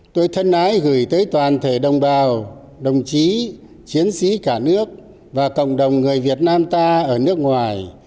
tôi thân ái gửi tới toàn thể đồng bào đồng chí chiến sĩ cả nước và cộng đồng người việt nam ta ở nước ngoài